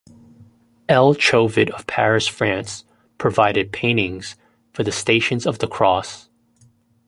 L. Chovet of Paris, France, provided paintings for the Stations of the Cross.